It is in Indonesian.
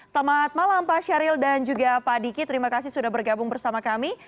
selamat malam pak syahril dan juga pak diki terima kasih sudah bergabung bersama kami